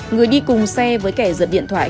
người đi cùng xe với kẻ giật điện thoại